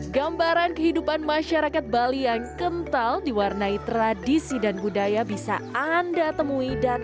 gambaran kehidupan masyarakat bali yang kental diwarnai tradisi dan budaya bisa anda temui dan